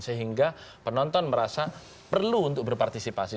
sehingga penonton merasa perlu untuk berpartisipasi